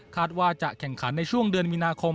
ว่าจะแข่งขันในช่วงเดือนมีนาคม